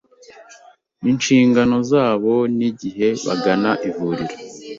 inshingano zabo n’igihe bagana ivuriro